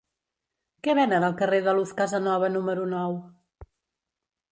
Què venen al carrer de Luz Casanova número nou?